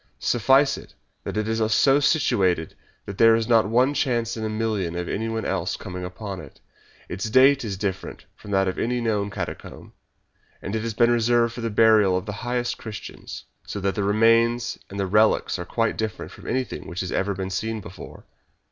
Suffice it that it is so situated that there is not one chance in a million of anyone else coming upon it. Its date is different from that of any known catacomb, and it has been reserved for the burial of the highest Christians, so that the remains and the relics are quite different from anything which has ever been seen before.